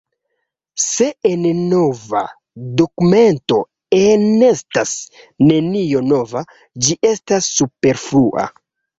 Se en nova dokumento enestas nenio nova, ĝi estas superflua.